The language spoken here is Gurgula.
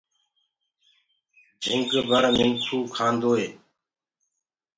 جھنگ بر منکو کاندوئي